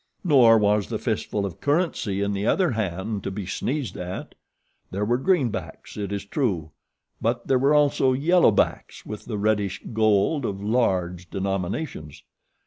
Nor was the fistful of currency in the other hand to be sneezed at. There were greenbacks, it is true; but there were also yellowbacks with the reddish gold of large denominations.